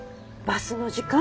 バスの時間。